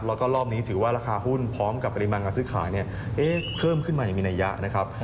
แล้วก็รอบนี้ถือว่าราคาหุ้นพร้อมกับปริมาณการซื้อขายเนี่ยเพิ่มขึ้นมาอย่างมีนัยยะนะครับ